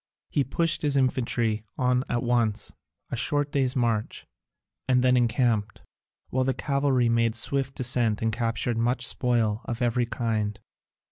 He pushed his infantry on at once, a short day's march, and then encamped, while the cavalry made a swift descent and captured much spoil of every kind.